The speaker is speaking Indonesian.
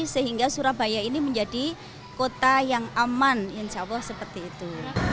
sehingga surabaya ini menjadi kota yang aman insya allah seperti itu